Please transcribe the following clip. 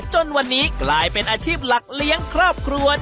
จนวันนี้กลายเป็นอาชีพหลักเลี้ยงครอบครัว